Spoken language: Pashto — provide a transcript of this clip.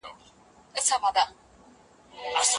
وګړو د سياسي فشارونو پر وړاندي مقاومت وکړ.